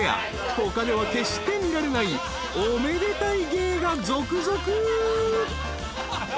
他では決して見られないおめでたい芸が続々］